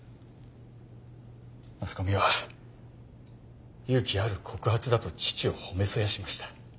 マスコミは勇気ある告発だと父を褒めそやしました。